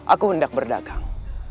aku hendak berdagang